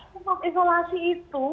tempat isolasi itu